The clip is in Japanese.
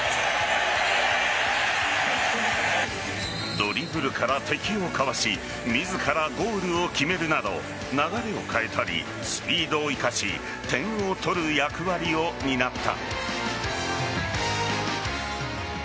ドリブルから敵をかわし自らゴールを決めるなど流れを変えたりスピードを生かし点を取る役割を担った。